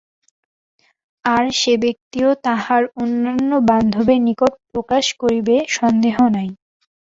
আর সে ব্যক্তিও তাহার অন্যান্য বান্ধবের নিকট প্রকাশ করিবেক সন্দেহ নাই।